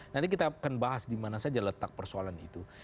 nanti kita akan bahas dimana saja letak persoalan itu